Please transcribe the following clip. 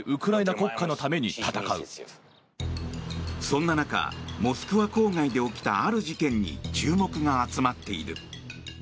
そんな中モスクワ郊外で起きたある事件に注目が集まっている。